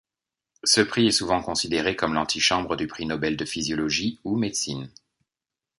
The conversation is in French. Ce prix est souvent considéré comme l'antichambre du Prix Nobel de physiologie ou médecine.